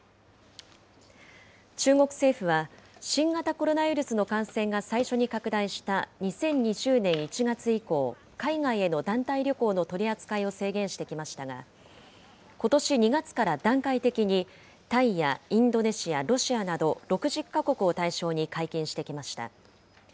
中国政府は、新型コロナウイルスの感染が最初に拡大した２０２０年１月以降、海外への団体旅行の取り扱いを制限してきましたが、ことし２月から、段階的にタイやインドネシア、ロシアなど、６０か国を対象に解禁してきました。